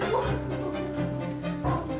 ya ampun mbak dewi